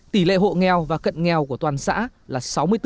tỷ lệ hộ nghèo và cận nghèo của toàn xã là sáu mươi bốn